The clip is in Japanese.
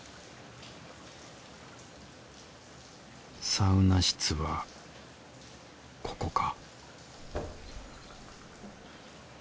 サウナ室はここか